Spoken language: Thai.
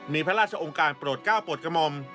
มีพระราชองค์การปรดก้าวปรดกมม